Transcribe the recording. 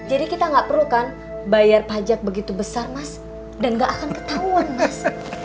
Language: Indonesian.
jadi kita gak perlu kan bayar pajak begitu besar mas dan gak akan ketahuan mas